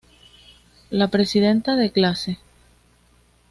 La presidenta de clase.